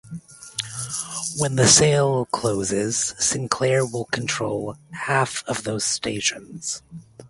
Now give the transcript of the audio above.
When the sale closes, Sinclair will control half of those stations.